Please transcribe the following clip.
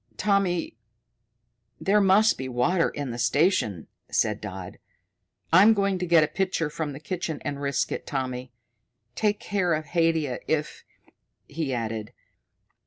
"Tommy, there must be water in the station," said Dodd. "I'm going to get a pitcher from the kitchen and risk it, Tommy. Take care of Haidia if " he added.